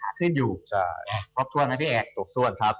ขึ้นอยู่ใช่ครบถ้วนนะพี่เอกครบถ้วนครับ